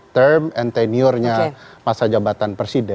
term and teniornya masa jabatan presiden